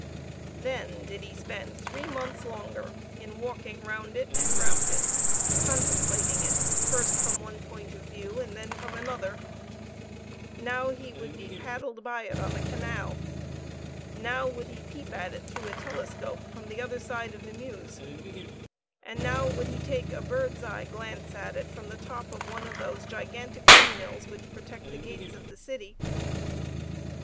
Then did he spend three months longer in walking round it and round it; contemplating it, first from one point of view and then from another now he would be paddled by it on the canal now would he peep at it through a telescope, from the other side of the Meuse and now would he take a bird's eye glance at it, from the top of one of those gigantic windmills which protect the gates of the city.